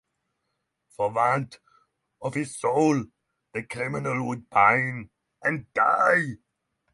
For want of his soul the criminal would pine and die.